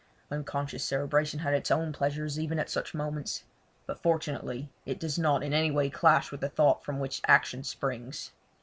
Unconscious cerebration has its own pleasures, even at such moments; but fortunately it does not in any way clash with the thought from which action springs.